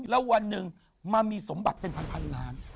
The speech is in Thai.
แล้ววันหนึ่งมันมีสมบัติเป็นพันล้าน